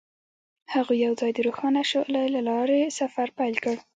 هغوی یوځای د روښانه شعله له لارې سفر پیل کړ.